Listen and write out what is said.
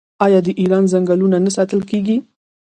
آیا د ایران ځنګلونه نه ساتل کیږي؟